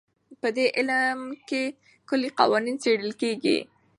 په دې علم کې کلي قوانین څېړل کېږي.